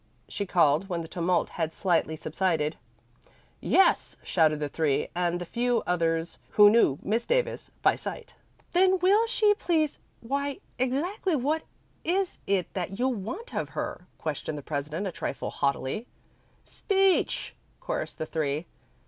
she called, when the tumult had slightly subsided. "Yes," shouted the Three and the few others who knew Miss Davis by sight. "Then will she please why, exactly what is it that you want of her?" questioned the president, a trifle haughtily. "Speech!" chorused the Three.